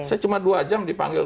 saya cuma dua jam dipanggil